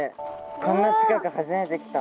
こんな近く初めて来た。